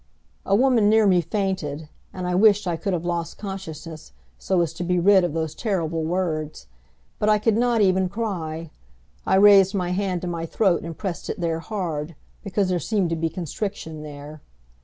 A woman near me fainted, and I wished I could have lost consciousness so as to be rid of those terrible words, but I could not even cry. I raised my hand to my throat and pressed it there hard, because there seemed to be constriction there.